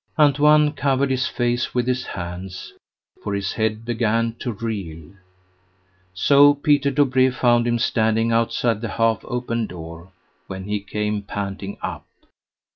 Antoine covered his face with his hands, for his head began to reel. So Peter Dobree found him standing outside the half open door, when he came panting up.